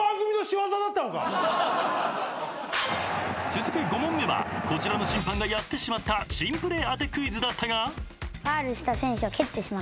［続く５問目はこちらの審判がやってしまった珍プレー当てクイズだったが］